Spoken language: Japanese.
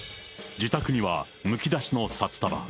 自宅にはむき出しの札束。